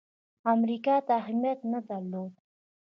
امریکا ته اهمیت نه درلود.